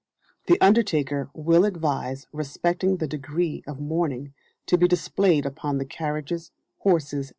The undertaker will advise respecting the degree of mourning to be displayed upon the carriages, horses, &c.